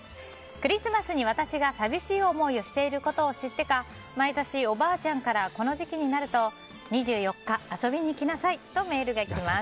クリスマスに私が寂しい思いをしていることを知ってか毎年おばあちゃんからこの時期になると２４日、遊びに来なさいとメールが来ます。